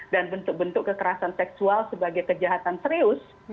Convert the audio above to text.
dan bentuk bentuk kekerasan seksual sebagai kejahatan serius